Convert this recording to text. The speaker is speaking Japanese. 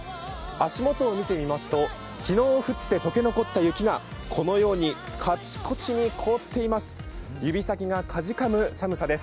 足元を見てみますと昨日降って解け残った雪がこのようにカチコチに凍っています。